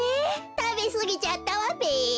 たべすぎちゃったわべ。